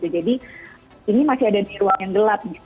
jadi ini masih ada di ruang yang gelap